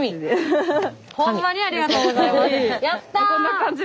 ほんまにありがとうございます！